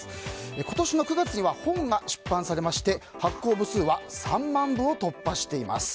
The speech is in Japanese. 今年の９月には本が出版されまして、発行部数は３万部を突破しています。